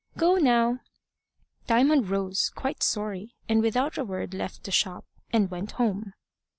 go now." Diamond rose, quite sorry, and without a word left the shop, and went home.